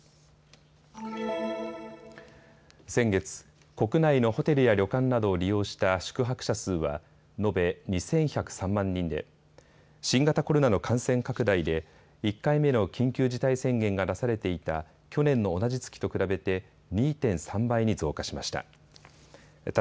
先月、国内のホテルや旅館などを利用した宿泊者数は延べ２１０３万人で新型コロナの感染拡大で１回目の緊急事態宣言が出されていた去年の同じ月と比べて２．３倍に増加しました。